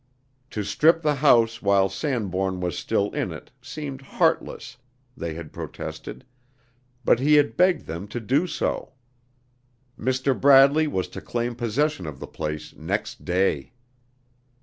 To strip the house while Sanbourne was still in it seemed heartless, they had protested; but he had begged them to do so. Mr. Bradley was to claim possession of the place next day.